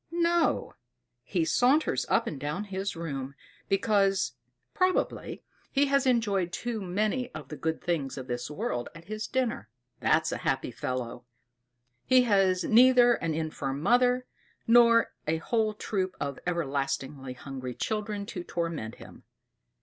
No; he saunters up and down his room, because, probably, he has enjoyed too many of the good things of this world at his dinner. That's a happy fellow! He has neither an infirm mother, nor a whole troop of everlastingly hungry children to torment him.